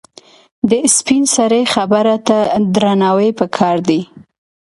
د سپینسرې خبره ته درناوی پکار دی.